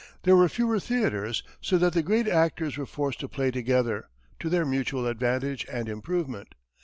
There were fewer theatres, so that the great actors were forced to play together, to their mutual advantage and improvement.